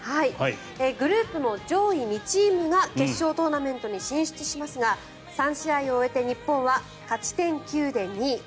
グループの上位２チームが決勝トーナメントに進出しますが３試合を終えて日本は勝ち点９で２位。